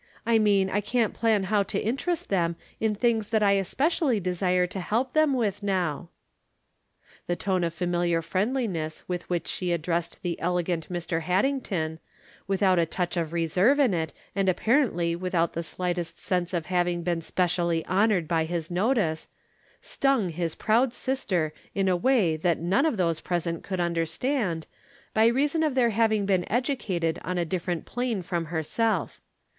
I mean I can't plan how to interest them in things that I specially desire to help them with now." The tone of famihar friendliness with which she addressed the elegant Mr. Haddington, with out a touch of reserve in it, and apparently with out the slightest sense of having been specially honored by his notice, stung his proud sister in a way that none of those present could understand, by reason of their having been educated on a different plane from herself.